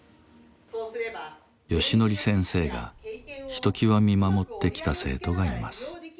ヨシノリ先生がひときわ見守ってきた生徒がいます。